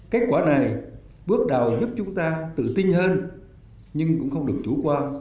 kết quả này bước đầu giúp chúng ta tự tin hơn nhưng cũng không được chủ quan